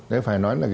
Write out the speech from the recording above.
đấy phải nói là